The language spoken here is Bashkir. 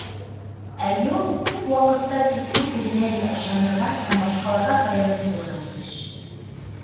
Ә геолог күп ваҡытта тик үҙ-үҙенә генә ышанырға һәм башҡаларға таяныс булырға тейеш.